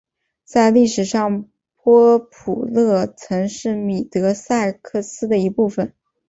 在历史上波普勒曾是米德塞克斯的一部分。